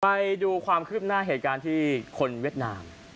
ไปดูความคืบหน้าเหตุการณ์ที่คนเวียดนาม